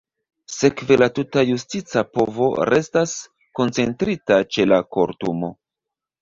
Sekve la tuta justica povo restas koncentrita ĉe la Kortumo.